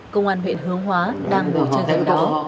công an huyện hướng hóa đang ngồi chơi gần đó